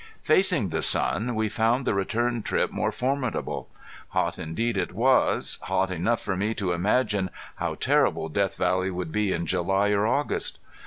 Facing the sun we found the return trip more formidable. Hot indeed it was hot enough for me to imagine how terrible Death Valley would be in July or August.